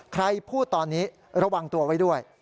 ใครพูดตอนนี้ระวังตัวไว้ด้วย